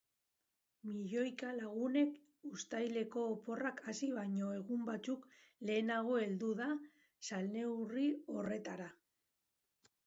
Milioika lagunek uztaileko oporrak hasi baino egun batzuk lehenago heldu da salneurri horretara.